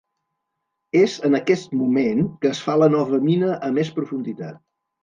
És en aquest moment que es fa la nova mina a més profunditat.